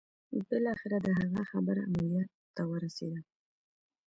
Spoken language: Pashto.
بالاخره د هغه خبره عمليات ته ورسېده.